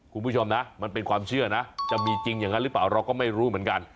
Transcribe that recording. คุณผู้ชมนะมันเป็นความเชื่อนะจะมีจริงอย่างนั้นหรือเปล่าเราก็ไม่รู้เหมือนกัน